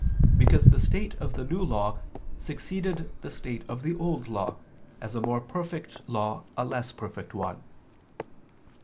Because the state of the New Law succeeded the state of the Old Law, as a more perfect law a less perfect one.